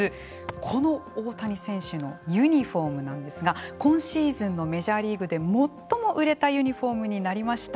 この大谷選手のユニフォームなんですが今シーズンのメジャーリーグで最も売れたユニフォームになりました。